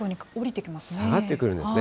下がってくるんですね。